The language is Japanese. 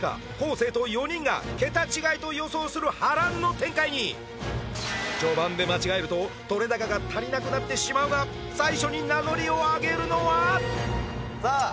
生と４人がケタ違いと予想する波乱の展開に序盤で間違えると撮れ高が足りなくなってしまうが言ってくださいいや